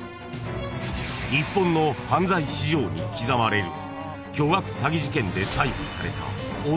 ［日本の犯罪史上に刻まれる巨額詐欺事件で逮捕された］